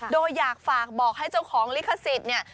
โดยอยากฝากบอกให้เจ้าของลิขสิทธิ์เนี่ย